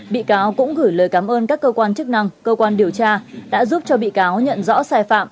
bị cáo cũng gửi lời cảm ơn các cơ quan chức năng cơ quan điều tra đã giúp cho bị cáo nhận rõ sai phạm